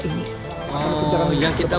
jadi biasanya berapa banyak yang datang